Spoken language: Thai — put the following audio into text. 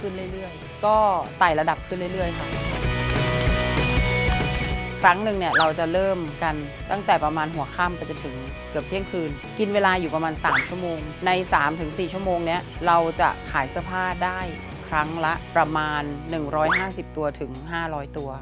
ใน๓๔ชั่วโมงเนี่ยเราจะขายสภาพได้ครั้งละประมาณ๑๕๐ตัวถึง๕๐๐ตัว